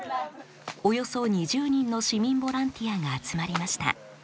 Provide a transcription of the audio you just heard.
およそ２０人の市民ボランティアが集まりました。